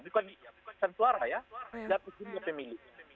bukan santuara ya tapi jumlah pemilih